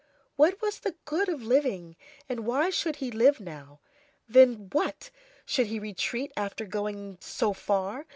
What was the good of living, and why should he live now? And then, what! should he retreat after going so far?